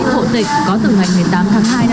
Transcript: thổ tịch có từ ngày một mươi tám tháng hai